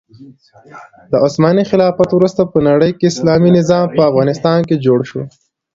د عثماني خلافت وروسته په نړۍکې اسلامي نظام په افغانستان کې جوړ شو.